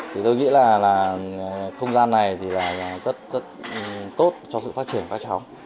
thì tôi nghĩ là không gian này thì là rất rất tốt cho sự phát triển của các cháu